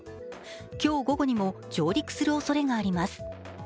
今日午後にも上陸するおそれがあります。